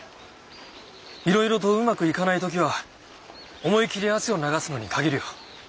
いろいろとうまくいかない時は思い切り汗を流すのに限るよ。